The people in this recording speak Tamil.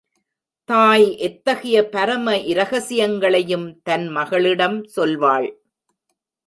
தாய் எத்தகைய பரம இரகசியங்களையும் தன் மகளிடம் சொல்வாள்.